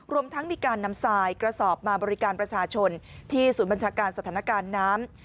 รวมทั้งมีการนำทรายกระสอบมาบริการประชาชนที่ศูนย์บัญชาการสถานการณ์น้ำ